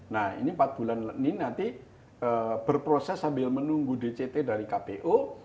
nah ini empat bulan ini nanti berproses sambil menunggu dct dari kpu